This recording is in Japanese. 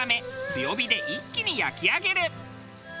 強火で一気に焼き上げる。